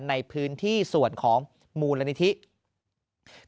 ในพื้นที่ส่วนของมูลนิทิศธรรมกาย